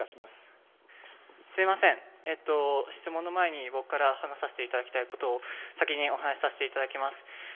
すいません、質問の前に僕から話させていただきたいことを先にお話しさせていただきます。